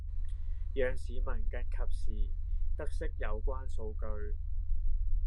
讓市民更及時得悉有關數據